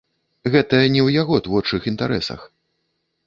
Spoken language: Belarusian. Гэта не ў яго творчых інтарэсах.